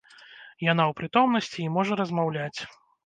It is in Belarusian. Яна ў прытомнасці і можа размаўляць.